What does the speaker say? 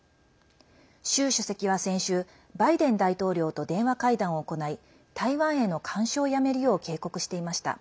習主席は先週バイデン大統領と電話会談を行い台湾への干渉をやめるよう警告していました。